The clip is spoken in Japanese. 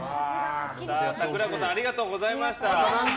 さくらこさんありがとうございました。